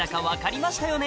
分かりました。